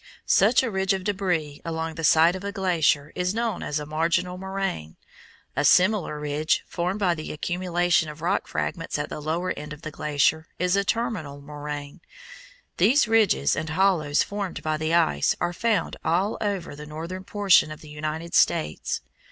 Such a ridge of débris along the side of a glacier is known as a marginal moraine. A similar ridge, formed by the accumulation of rock fragments at the lower end of the glacier, is a terminal moraine. These ridges and hollows formed by the ice are found all over the northern portion of the United States.